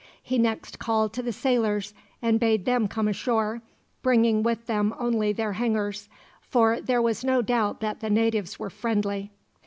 He next called to the sailors, and bade them come ashore, bringing with them only their hangers; for there was no doubt that the natives were friendly.